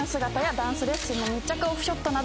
ダンスレッスンの密着オフショットなど。